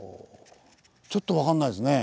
ちょっと分かんないですね。